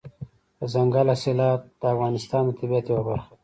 دځنګل حاصلات د افغانستان د طبیعت یوه برخه ده.